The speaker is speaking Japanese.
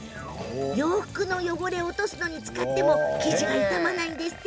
洋服の汚れを落とすのに使っても生地が傷まないんですって。